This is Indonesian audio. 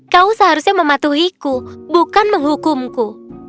kau seharusnya mematuhiku bukan menghukumku